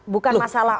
bukan masalah topongnya